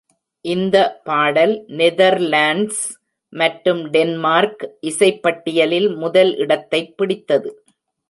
இந்த பாடல் நெதர்லாண்ட்ஸ் மற்றும் டென்மார்க் இசைப்பட்டியலில் முதல் இடத்தை பிடித்தது.